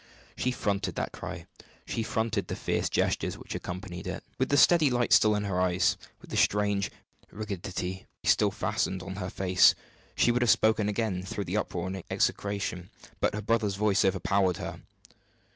She fronted that cry, she fronted the fierce gestures which accompanied it, with the steady light still in her eyes, with the strange rigidity still fastened on her face. She would have spoken again through the uproar and execration, but her brother's voice overpowered her.